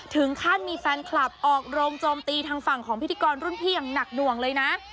ถึงขั้นมีแฟนคลับออกโรงโจมตีทางฝั่งของพิธีกรรุ่นพี่อย่างหนักหน่วงเลยนะ